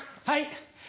はい。